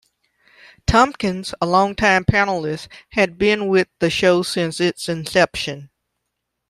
Tompkins, a long-time panelist, had been with the show since its inception.